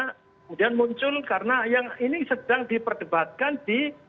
kemudian muncul karena yang ini sedang diperdebatkan di